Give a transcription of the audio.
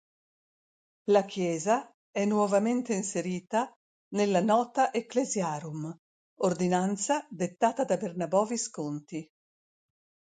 La chiesa è nuovamente inserita nella "nota ecclesiarum" ordinanza dettata da Bernabò Visconti.